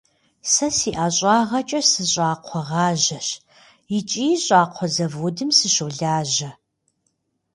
Сэ си ӏэщӏагъэкӏэ сыщӏакхъуэгъажьэщ икӏи щӏакхъуэ заводым сыщолажьэ.